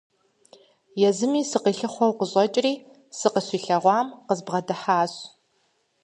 Езыми сыкъилъыхъуэу къыщӀэкӀри, сыкъыщилъагъум, къызбгъэдыхьащ.